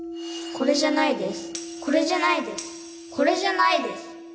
これじゃないです